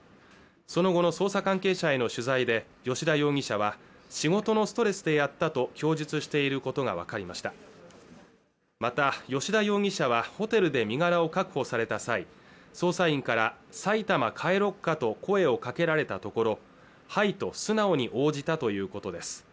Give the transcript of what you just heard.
その後の捜査関係者への取材で葭田容疑者は仕事のストレスでやったと供述していることが分かりましたまた葭田容疑者はホテルで身柄を確保された際捜査員から埼玉帰ろっかと声をかけられたところはいと素直に応じたということです